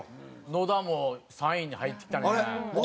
野田３位に入ってきたな。